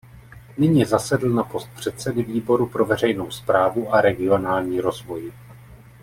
Nyní zasedl na post předsedy výboru pro veřejnou správu a regionální rozvoj.